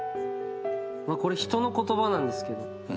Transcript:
これ人の言葉なんですけど。